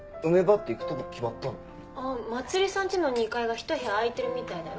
あっまつりさんちの２階がひと部屋空いてるみたいだよ。